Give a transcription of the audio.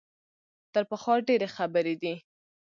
تر پخوا ډېرې خبرې دي.